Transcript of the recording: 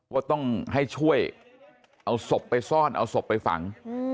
ว่าต้องให้ช่วยเอาศพไปซ่อนเอาศพไปฝัง